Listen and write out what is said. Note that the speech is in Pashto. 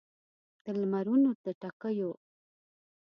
د لمرونو د ټکېو